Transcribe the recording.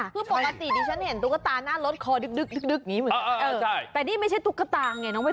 คือปกติอยากได้เห็นตุ๊กตาหน้ารถคอดึกอย่างงี้